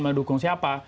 yang mau dukung siapa